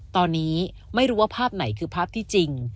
ตอนนี้ไม่รู้ว่าภาพไหนคือภาพที่จริง